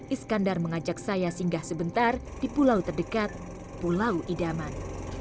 iskandar mengajak saya singgah sebentar di pulau terdekat pulau idaman